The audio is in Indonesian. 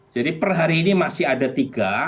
jadi per hari ini masih ada tiga